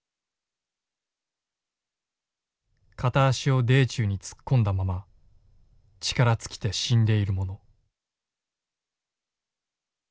「片足を泥中に突っ込んだまま力尽きて死んでいる者」。